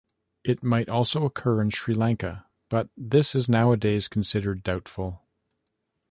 It might also occur in Sri Lanka, but this is nowadays considered doubtful.